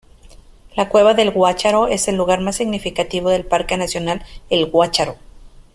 La Cueva del Guácharo es el lugar más significativo del Parque nacional El Guácharo.